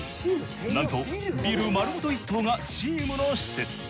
なんとビル丸ごと１棟がチームの施設。